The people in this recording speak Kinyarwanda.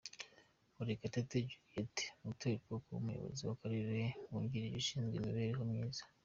Murekatete Juliyete atorerwa kuba umuyobozi w’akarere wungirije ushinzwe imibereho myiza.